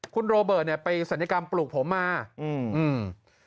คุณเนี่ยไปศัลยกรรมปลูกผมมาอืมอืม